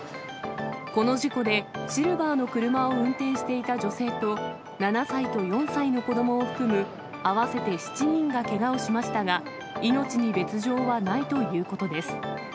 この事故でシルバーの車を運転していた女性と、７歳と４歳の子どもを含む合わせて７人がけがをしましたが、命に別状はないということです。